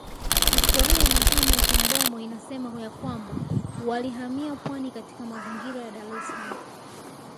Historia nyingine ya kimdomo inasema ya kwamba walihamia pwani katika mazingira ya Daressalaam